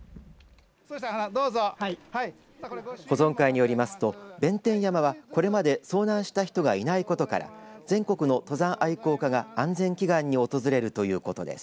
保存会によりますと、弁天山はこれまで遭難した人がいないことから全国の登山愛好家が安全祈願に訪れるということです。